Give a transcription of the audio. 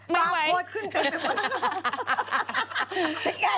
บาคทขึ้นไปไปหมดแล้ว